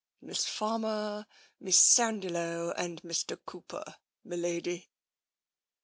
" Miss Farmer, Miss Sandiloe, and Mr. Cooper, m'lady."